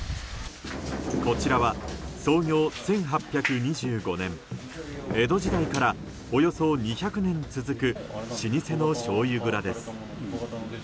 こちらは、創業１８２５年江戸時代からおよそ２００年続く老舗のしょうゆ蔵です。